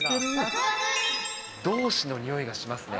同志の匂いがしますね。